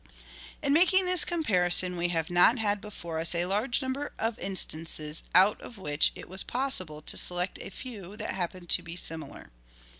In making this comparison we have not had before us a large number of instances out of which it was possible to select a few that happened to be similar.